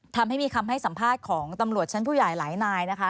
ทำให้มีคำให้สัมภาษณ์ของตำรวจชั้นผู้ใหญ่หลายนายนะคะ